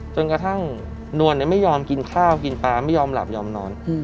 จนกระทั่งนวลไม่ยอมกินข้าวกินปลาไม่ยอมหลับยอมนอน